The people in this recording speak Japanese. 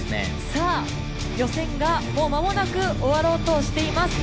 さあ予選がもうまもなく終わろうとしています。